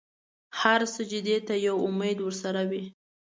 هر سجدې ته یو امید ورسره وي.